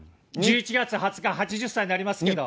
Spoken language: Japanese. １１月２０日、８０歳になりますけど。